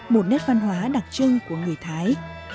một nét văn hóa đặc trưng của người thái